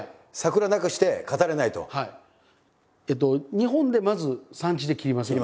日本でまず産地で切りますよね。